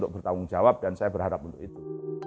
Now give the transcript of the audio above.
bertanggung jawab dan saya berharap untuk itu